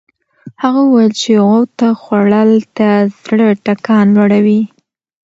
هغه وویل چې غوطه خوړل د زړه ټکان لوړوي.